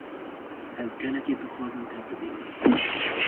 Ez gelekî dixwazim te bibînim.